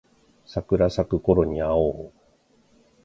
桜咲くころに会おう